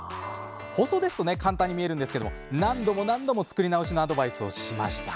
放送だと簡単に見えるんですが何度も何度も作り直しのアドバイスをしました。